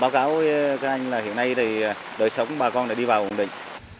báo cáo các anh là hiện nay đời sống bà con đã đi vào ổn định